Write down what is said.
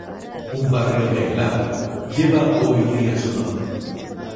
Un barrio de El Havre lleva hoy día su nombre.